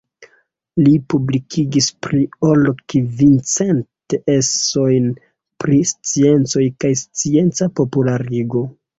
Li publikigis pli ol kvicent eseojn pri sciencoj kaj scienca popularigo.